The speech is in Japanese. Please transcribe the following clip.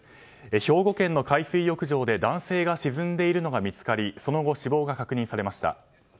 兵庫県の海水浴場で男性が沈んでいるのが見つかりその後、死亡が確認されました。